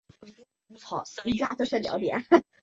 且肇俊哲在比赛中还攻入一球。